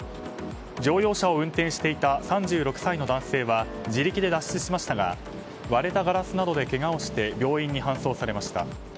乗用車を運転していた３６歳の男性は自力で脱出しましたが割れたガラスなどでけがをして病院に搬送されました。